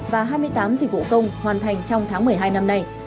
và hai mươi tám dịch vụ công hoàn thành trong tháng một mươi hai năm nay